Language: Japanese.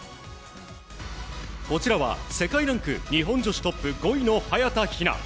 こちらは世界ランク日本女子トップ５位の早田ひな。